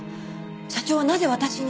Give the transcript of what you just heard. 社長はなぜ私に。